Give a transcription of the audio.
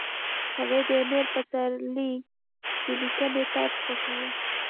هغې د ایمل پسرلي د لیکنې طرز خوښاوه